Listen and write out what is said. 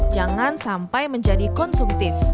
jangan sampai menjadi konsumtif